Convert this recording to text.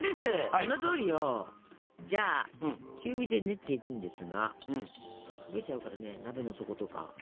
そのとおりよ！じゃあ中火で練っていくんですが焦げちゃうからね鍋の底とか。